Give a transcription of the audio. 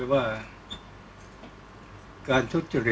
ก็ต้องทำอย่างที่บอกว่าช่องคุณวิชากำลังทำอยู่นั่นนะครับ